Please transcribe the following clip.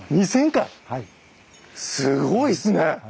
２，０００回⁉すごいですね！